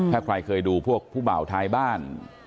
ถ้าใครเคยดูพวกผู้เบาท้ายบ้าน